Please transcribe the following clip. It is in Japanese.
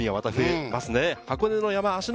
箱根の山、芦ノ